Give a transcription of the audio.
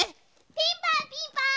ピンポンピンポーン！